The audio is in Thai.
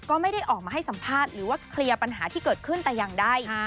ก็ไม่ได้ออกมาให้สัมภาษณ์หรือว่าเคลียร์ปัญหาที่เกิดขึ้นแต่อย่างใด